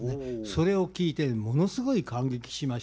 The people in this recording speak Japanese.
それを聴いてものすごい感激しましてね